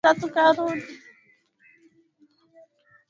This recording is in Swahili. Kiongozi anaongoza mashambulizi mapya